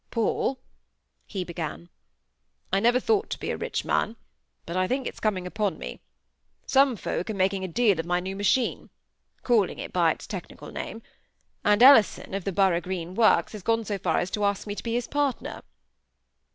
"Paul," he began, "I never thought to be a rich man; but I think it's coming upon me. Some folk are making a deal of my new machine (calling it by its technical name), and Ellison, of the Borough Green Works, has gone so far as to ask me to be his partner."